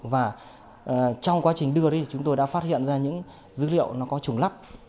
và trong quá trình đưa đi thì chúng tôi đã phát hiện ra những dữ liệu nó có chủng lắp